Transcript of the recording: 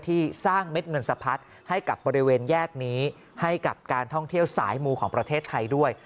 ที่สร้างเม็ดเงินสะพัดให้กับบริเวณแยกนี้ให้กับการท่องเที่ยวสายมูของประเทศไทยด้วย